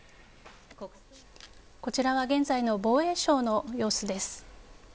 こちらは現在の防衛省の様子です。